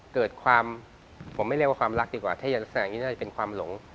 เกิดความผมไม่เรียกว่าความรักดีกว่าถ้าจะลักษณะอย่างนี้น่าจะเป็นความหลง